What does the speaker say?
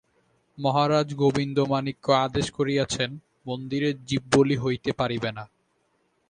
মহারাজ গোবিন্দমাণিক্য আদেশ করিয়াছেন, মন্দিরে জীববলি হইতে পারিবে না।